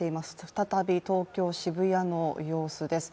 再び東京・渋谷の様子です。